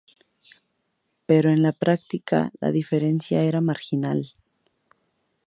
Pero en la práctica, la diferencia era marginal.